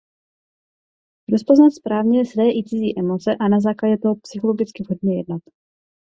Rozpoznat správně své i cizí emoce a na základě toho psychologicky vhodně jednat.